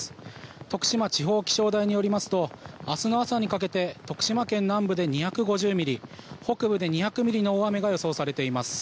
徳島地方気象台によりますと明日の朝にかけて徳島県南部で２５０ミリ北部で２００ミリの大雨が予想されています。